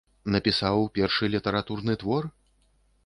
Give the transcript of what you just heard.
Напісаў першы літаратурны твор?